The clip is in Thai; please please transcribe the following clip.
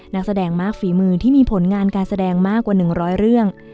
นักแสดงมากฝีมือที่มีผลงานการแสดงมากกว่า๑๐๐เรื่อง